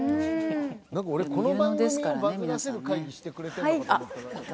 「俺この番組をバズらせる会議してくれてるのかと思ったら」